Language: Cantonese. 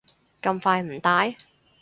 咁快唔戴？